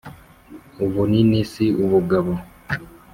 Ubunini si ubugabo.